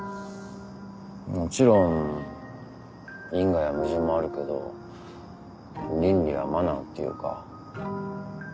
もちろん因果や矛盾もあるけど倫理やマナーっていうか。